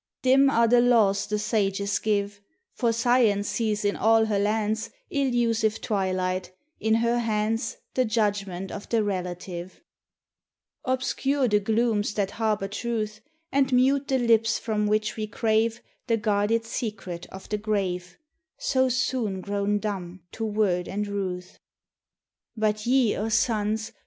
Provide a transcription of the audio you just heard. Dim are the laws the sages give, For Science sees in all her lands Illusive twilight, in her hands The judgments of the Relative. 79 THE TESTIMONY OF THE SUNS. Obscure the glooms that harbor Truth, And mute the lips from which we crave The guarded secret of the grave So soon grown dumb to word and ruth! But ye, O suns!